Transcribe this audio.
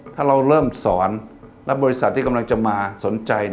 ถ้าเราเริ่มสอนและบริษัทที่กำลังจะมาสนใจ